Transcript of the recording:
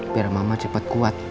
biar mama cepet kuat